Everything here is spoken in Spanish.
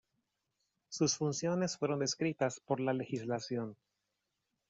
Sus funciones fueron descritas por la legislación.